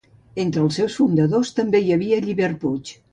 Entre els seus fundadors també hi havia Llibert Puig.